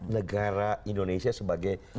negara indonesia sebagai